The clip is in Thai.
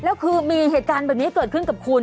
แล้วคือมีเหตุการณ์แบบนี้เกิดขึ้นกับคุณ